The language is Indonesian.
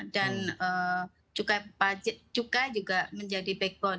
dan cukai juga menjadi backbone